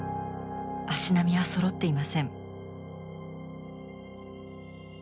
足並みはそろっていません。